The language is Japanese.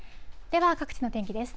では、各地の天気です。